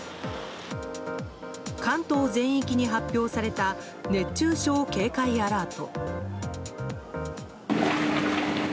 関東全域に発表された熱中症警戒アラート。